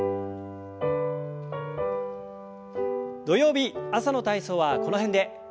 土曜日朝の体操はこの辺で。